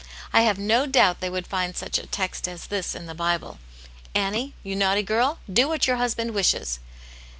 I have no doubt they would find such a text as this in the Bible :*' 'Annie, you naughty girl, do what your husband wishes!'"